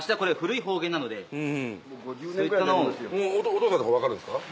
お父さんとか分かるんですか？